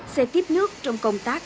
xe tiếp nước trong công tác